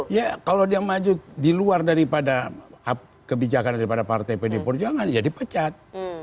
iya kalau dia maju di luar daripada kebijakan dari partai pdi perjuangan ya dipecat